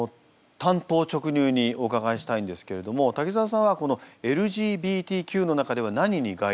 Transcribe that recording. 単刀直入にお伺いしたいんですけれども滝沢さんはＬＧＢＴＱの中では何に該当するんですか？